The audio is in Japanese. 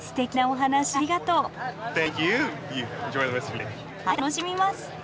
はい楽しみます！